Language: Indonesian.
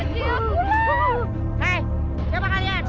hei siapa kalian